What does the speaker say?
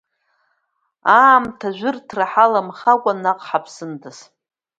Аамҭа ажәырҭра ҳаламхакәа, наҟ ҳаԥсындаз…